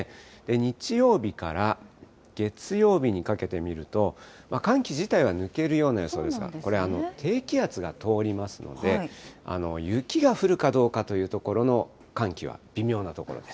日曜日から月曜日にかけてみると、寒気自体は抜けるような予想ですが、これ、低気圧が通りますので、雪が降るかどうかというところの寒気は微妙なところです。